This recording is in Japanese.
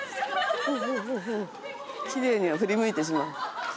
「奇麗」には振り向いてしまう。